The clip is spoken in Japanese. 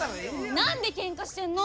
何でケンカしてんの？